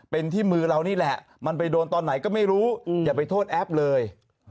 เป็นที่มือเรานี่แหละมันไปโดนตอนไหนก็ไม่รู้อย่าไปโทษแอปเลย